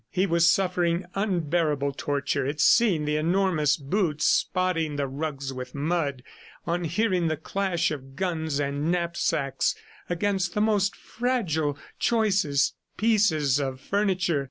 ... He was suffering unbearable torture at seeing the enormous boots spotting the rugs with mud, on hearing the clash of guns and knapsacks against the most fragile, choicest pieces of furniture.